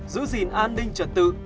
giữ gìn an ninh trật tự